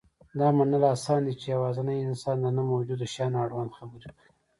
دا منل اسان دي، چې یواځې انسان د نه موجودو شیانو اړوند خبرې کوي.